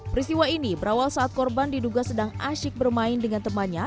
peristiwa ini berawal saat korban diduga sedang asyik bermain dengan temannya